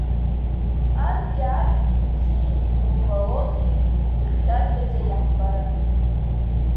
Анкьа аршәгьы бзиа ибымбалози, ихьшәашәаӡа иаҳфарын.